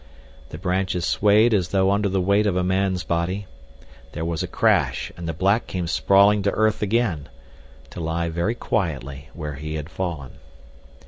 The branches swayed as though under the weight of a man's body—there was a crash and the black came sprawling to earth again,—to lie very quietly where he had fallen.